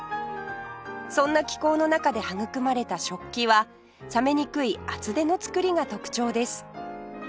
そんな気候の中で育まれた食器は冷めにくい厚手の作りが特徴です